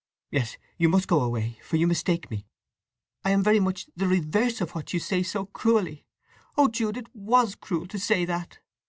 Yes—you must go away, for you mistake me! I am very much the reverse of what you say so cruelly—Oh, Jude, it was cruel to say that!